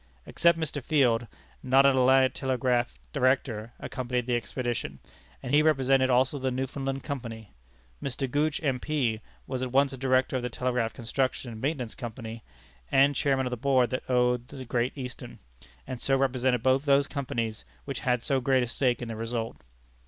Except Mr. Field, not an Atlantic Telegraph Director accompanied the expedition; and he represented also the Newfoundland Company. Mr. Gooch, M.P., was at once a Director of the Telegraph Construction and Maintenance Company, and Chairman of the Board that owned the Great Eastern, and so represented both those companies which had so great a stake in the result.